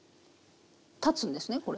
立つんですねこれ。